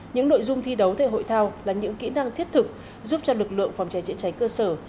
những nội dung thi đấu tại hội thao là những kỹ năng thiết thực giúp cho lực lượng phòng cháy chữa cháy cơ sở